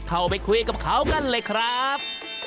เข้าไปคุยกับเขากันเลยครับ